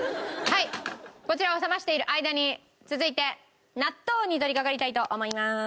はいこちらを冷ましている間に続いて納豆に取りかかりたいと思います。